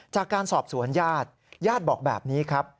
จากการสอบสวนญาติญาติบอกแบบนี้ครับ